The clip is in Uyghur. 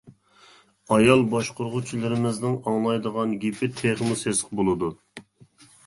ئايال باشقۇرغۇچىلىرىمىزنىڭ ئاڭلايدىغان گېپى تېخىمۇ سېسىق بولىدۇ.